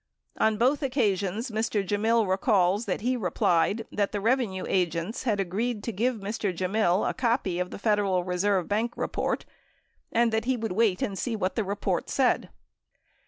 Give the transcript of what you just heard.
On both occasions, Mr. Gemmill recalls that he replied that the revenue agents had agreed to give Mr. Gemmill a copy of the Federal Reserve Bank report and that he would wait and see what the report said.